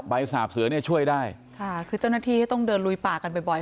สาบเสือเนี่ยช่วยได้ค่ะคือเจ้าหน้าที่ก็ต้องเดินลุยป่ากันบ่อย